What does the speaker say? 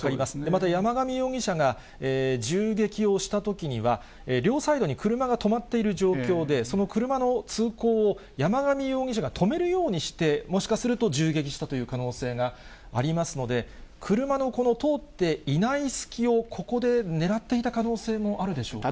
また山上容疑者が銃撃をしたときには、両サイドに車が止まっている状況で、その車の通行を山上容疑者が止めるようにして、もしかすると銃撃したという可能性がありますので、車のこの通っていない隙を、ここで狙っていた可能性もあるでしょうか。